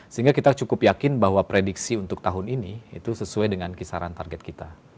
sehingga kita cukup yakin bahwa prediksi untuk tahun ini itu sesuai dengan kisaran target kita